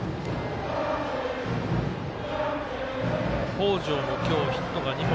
北條も今日ヒットが２本。